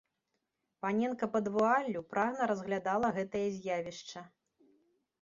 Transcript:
Паненка пад вуаллю прагна разглядала гэтае з'явішча.